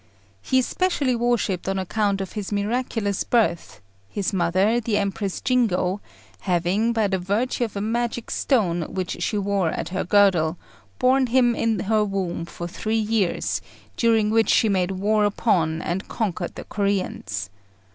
He is specially worshipped on account of his miraculous birth; his mother, the Empress Jingo, having, by the virtue of a magic stone which she wore at her girdle, borne him in her womb for three years, during which she made war upon and conquered the Coreans.